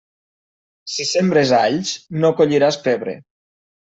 Si sembres alls, no colliràs pebre.